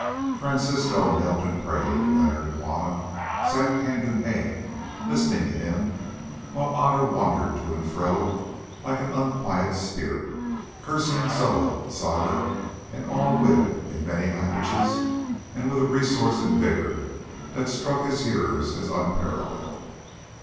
Francisco knelt and prayed, Leonard and Juanna sat hand in hand listening to him, while Otter wandered to and fro like an unquiet spirit, cursing Soa, Saga, and all women in many languages and with a resource and vigour that struck his hearers as unparalleled.